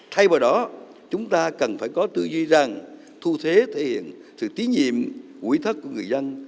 thay vào đó chúng ta cần phải có tư duy rằng thu thế thể hiện sự tiến nhiệm quỹ thất của người dân